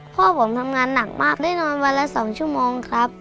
พ่อผมทำงานหนักมากได้นอนวันละ๒ชั่วโมงครับ